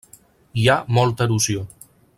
Hi ha molta erosió.